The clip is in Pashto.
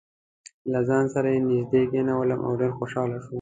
له ځان سره یې نژدې کېنولم او ډېر خوشاله شو.